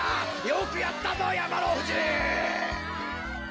よくやったぞやまのふじ！